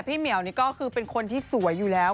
เหมียวนี่ก็คือเป็นคนที่สวยอยู่แล้ว